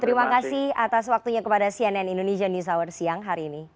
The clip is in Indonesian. terima kasih atas waktunya kepada cnn indonesia news hour siang hari ini